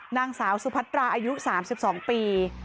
นางสาวสุพัตราอายุ๓๒ปี